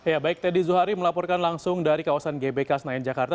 ya baik teddy zuhari melaporkan langsung dari kawasan gbk senayan jakarta